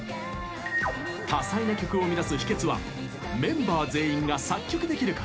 多彩な曲を生み出す秘けつはメンバー全員が作曲できること。